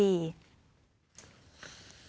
จงรักพรรคดี